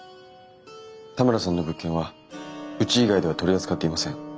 田村さんの物件はうち以外では取り扱っていません。